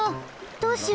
どうしよう！